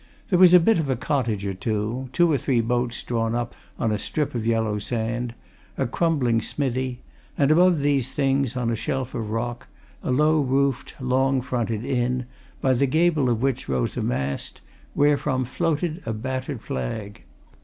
There was a bit of a cottage or two, two or three boats drawn up on a strip of yellow sand, a crumbling smithie, and above these things, on a shelf of rock, a low roofed, long fronted inn, by the gable of which rose a mast, wherefrom floated a battered flag.